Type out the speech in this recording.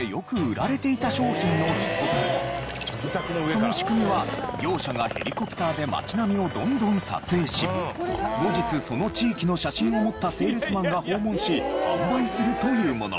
その仕組みは業者がヘリコプターで町並みをどんどん撮影し後日その地域の写真を持ったセールスマンが訪問し販売するというもの。